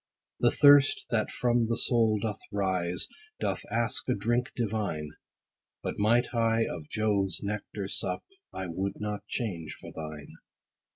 The thirst, that from the soul doth rise, 5 Doth ask a drink divine : But might I of Jove's nectar sup, I would not change for thine.